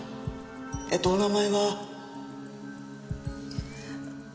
えーとお名前は？